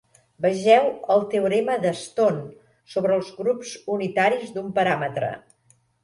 Vegeu el teorema de Stone sobre els grups unitaris d'un paràmetre.